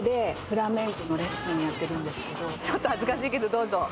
ちょっと恥ずかしいけどどうぞ。